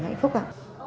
hạnh phúc ạ